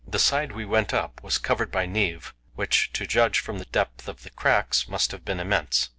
The side we went up was covered by névé, which, to judge from the depth of the cracks, must have been immense.